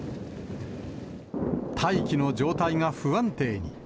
大気の状態が不安定に。